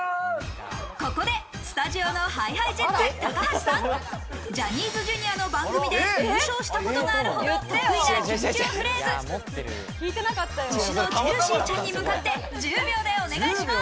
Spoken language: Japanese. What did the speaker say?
ここでスタジオのＨｉＨｉＪｅｔｓ・高橋さん、ジャニーズＪｒ．の番組で優勝したことがあるほど得意なキュンキュンフレーズ、牛のチェルシーちゃんに向かって１０秒でお願いします。